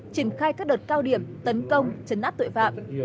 triển khai các đợt cao điểm tấn công chấn áp tội phạm